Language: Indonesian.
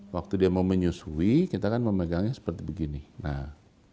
waktu dia mau menyusui kita kan memegangnya seperti begini nah